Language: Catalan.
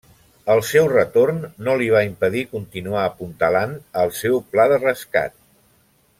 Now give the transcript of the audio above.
El seu retorn no li va impedir continuar apuntalant el seu pla de rescat.